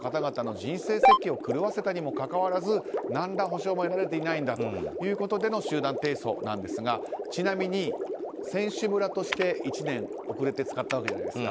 １年間もの多くの方々の人生設計を狂わせたにもかかわらず何の補償も得られていないんだということでの集団提訴ということですがちなみに選手村として１年遅れて使ったわけじゃないですか。